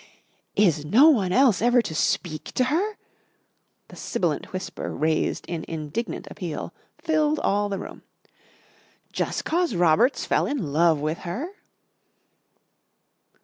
"Is no one else ever to speak to her." The sibilant whisper, raised in indignant appeal, filled all the room. "Jus' 'cause Robert's fell in love with her?"